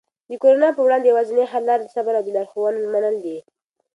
د کرونا په وړاندې یوازینی حل لاره صبر او د لارښوونو منل دي.